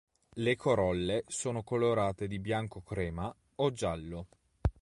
Le corolle sono colorate di bianco crema o giallo.